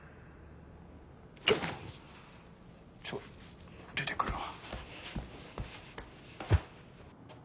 ちょちょっと出てくるわ。